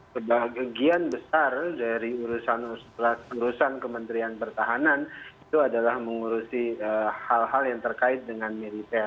sebagian besar dari urusan kementerian pertahanan itu adalah mengurusi hal hal yang terkait dengan militer